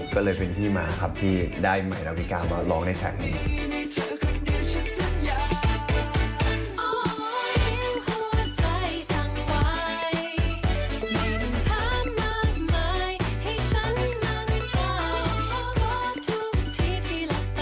ก็เลยเป็นที่มาครับที่ได้ใหม่ดาวิกามาร้องในครั้งนี้